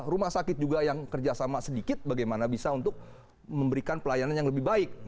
rumah sakit juga yang kerjasama sedikit bagaimana bisa untuk memberikan pelayanan yang lebih baik